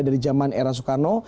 dari zaman era soekarno